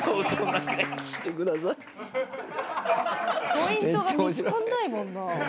ポイントが見つからないもんな。